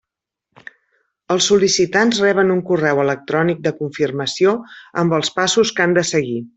Els sol·licitants reben un correu electrònic de confirmació amb els passos que han de seguir.